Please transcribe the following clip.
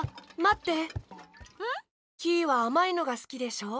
ん？キイはあまいのがすきでしょ？